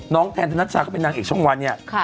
แทนธนัชชาก็เป็นนางเอกช่องวันเนี่ย